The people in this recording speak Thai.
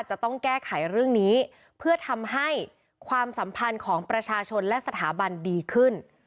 จะต้องแก้ไขเรื่องนี้เพื่อทำให้ความสัมพันธ์ของประชาชนและสถาบันดีขึ้น